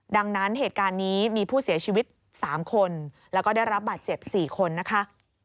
ดังนั้นเหตุการณ์นี้มีผู้เสียชีวิต๓คนแล้วก็ได้รับบาดเจ็บ๔คนนะคะ